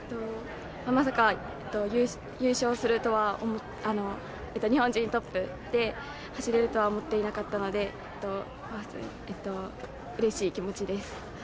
まさか優勝するとは、日本人トップで走れるとは思っていなかったのでうれしい気持ちです。